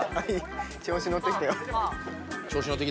調子乗ってきたよ。